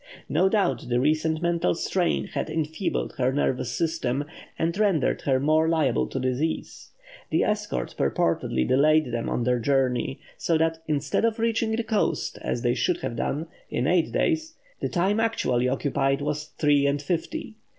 No doubt the recent mental strain had enfeebled her nervous system, and rendered her more liable to disease. The escort purposely delayed them on their journey; so that, instead of reaching the coast, as they should have done, in eight days, the time actually occupied was three and fifty.